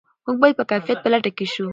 موږ باید د کیفیت په لټه کې شو.